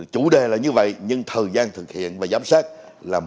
chủ đề là như vậy nhưng thời gian thực hiện và giám sát là